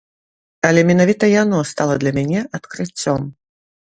Але менавіта яно стала для мяне адкрыццём.